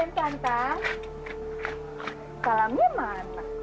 tentang tentang salamnya mana